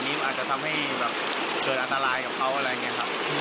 อาจจะทำให้แบบเกิดอันตรายกับเขาอะไรอย่างนี้ครับ